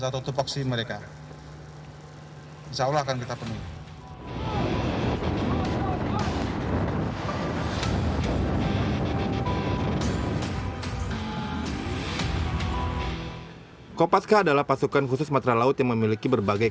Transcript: untuk memenuhi sudah saya suruh menghitung kira kira kebutuhan personel yang real berapa sih